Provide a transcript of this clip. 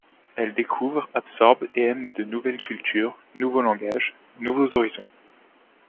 Elle découvre, absorbe et aime de nouvelles cultures, nouveaux langages, nouveaux horizons.